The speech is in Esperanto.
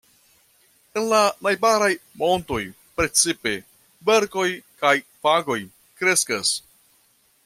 En la najbaraj montoj precipe kverkoj kaj fagoj kreskas.